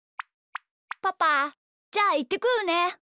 パパじゃあいってくるね。